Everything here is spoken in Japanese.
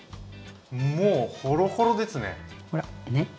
もうほろほろですね！